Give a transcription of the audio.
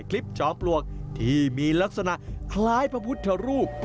ผู้ชายคลิปจอมปลวกที่มีลักษณะคล้ายพระพุทธรูป